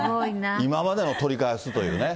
今までのを取り返すというね。